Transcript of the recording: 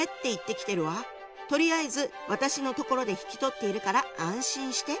とりあえず私のところで引き取っているから安心して」。